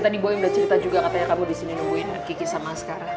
tadi boy udah cerita juga katanya kamu disini nungguin kiki sama sekarang